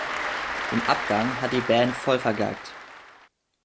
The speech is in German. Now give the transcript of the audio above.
Den Abgang hat die Band voll vergeigt.